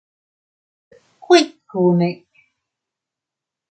¿Kuikune?